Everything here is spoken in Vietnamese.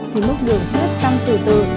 thì mức đường huyết tăng từ từ